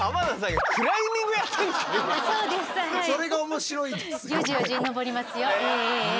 それが面白いですよね。